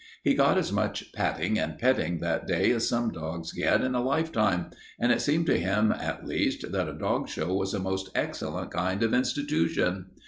He got as much patting and petting that day as some dogs get in a lifetime, and it seemed to him, at least, that a dog show was a most excellent kind of institution.